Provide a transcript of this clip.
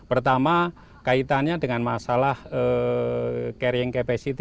pertama kaitannya dengan masalah carrying capacity